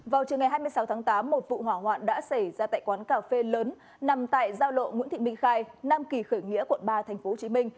vào trường ngày hai mươi sáu tháng tám một vụ hỏa hoạn đã xảy ra tại quán cà phê lớn nằm tại giao lộ nguyễn thị minh khai nam kỳ khởi nghĩa quận ba tp hcm